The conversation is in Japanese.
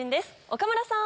岡村さん。